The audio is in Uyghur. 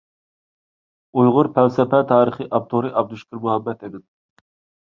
«ئۇيغۇر پەلسەپە تارىخى»، ئاپتورى: ئابدۇشۈكۈر مۇھەممەتئىمىن.